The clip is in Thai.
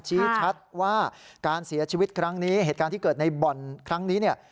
ชี้ชัดว่าการเสียชีวิตครั้งนี้เหตุการณ์ที่เกิดในบ่อนครั้งนี้เนี่ย